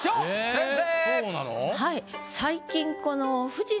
先生！